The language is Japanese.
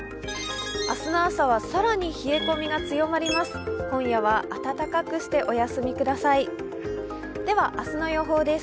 明日の朝は更に冷え込みが強まります。